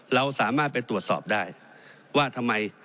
เราสามารถไปตรวจสอบได้ว่าทำไม